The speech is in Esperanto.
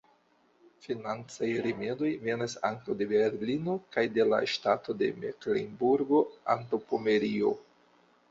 Financaj rimedoj venas ankaŭ de Berlino kaj de la ŝtato de Meklenburgo-Antaŭpomerio.